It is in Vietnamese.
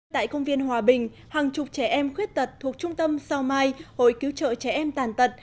tại công viên hòa bình hàng chục trẻ em khuyết tật thuộc trung tâm sao mai hội cứu trợ trẻ em tàn tật